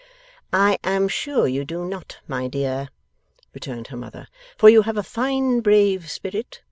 'I am sure you do not, my dear,' returned her mother, 'for you have a fine brave spirit.